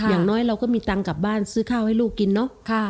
อย่างน้อยเราก็มีตังค์กลับบ้านซื้อข้าวให้ลูกกินเนาะ